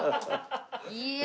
いや。